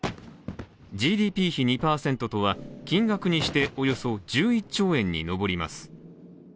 ＧＤＰ比２％とは金額にしておよそ１１兆円に上ります。